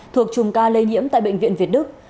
thuộc chùm ca lây nhiễm tại bệnh viện việt đức